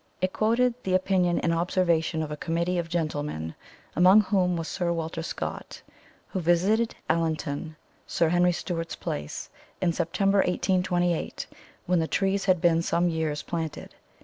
It quoted the opinion and observation of a committee of gentlemen, among whom was Sir Walter Scott, who visited Allanton (Sir Henry Steuart's place) in September 1828, when the trees had been some years planted.